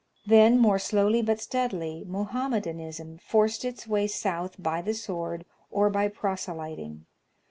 Then, more slowly but steadily, Mohammedanism forced its way south by the sword or by proselyting.